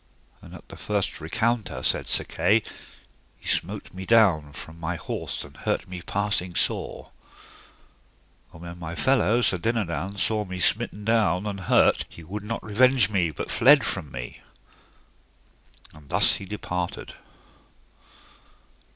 And at the first recounter, said Sir Kay, he smote me down from my horse and hurt me passing sore; and when my fellow, Sir Dinadan, saw me smitten down and hurt he would not revenge me, but fled from me; and thus he departed.